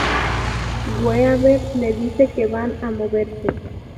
Weaver, les dice que van a moverse.